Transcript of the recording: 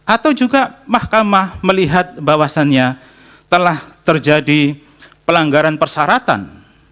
atau juga mahkamah melihat bahwasannya telah terjadi pelanggaran persyaratan